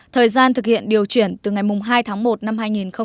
thời gian thực hiện điều chuyển từ ngày hai tháng một năm hai nghìn một mươi bảy